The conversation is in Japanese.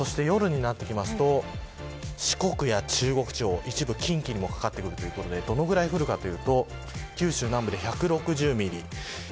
そして夜になってきますと四国や中国地方、一部近畿にもかかってくるということでどれくらい降るかというと九州南部で１６０ミリ。